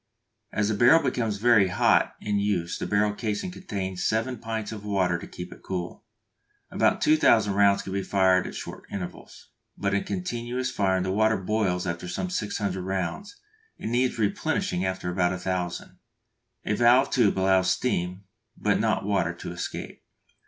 As the barrel becomes very hot in use the barrel casing contains seven pints of water to keep it cool. About 2000 rounds can be fired at short intervals; but in continuous firing the water boils after some 600 rounds, and needs replenishing after about 1000. A valved tube allows steam, but not water to escape.